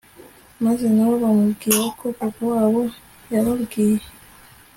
maze nabo bamubwira ko Papa wabo yababwiye